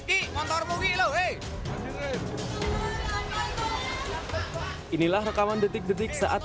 inilah rekaman detik detik saat sebuah mobil minibus terjun ke sungai